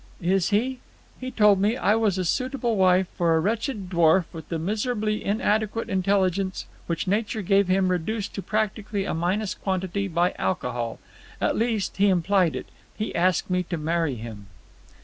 "Is he? He told me I was a suitable wife for a wretched dwarf with the miserably inadequate intelligence which nature gave him reduced to practically a minus quantity by alcohol! At least, he implied it. He asked me to marry him."